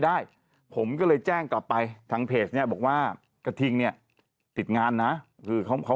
ได้ผมก็เลยแจ้งกลับไปทางเพจเนี่ยบอกว่ากระทิงเนี่ยติดงานนะคือเขาเขา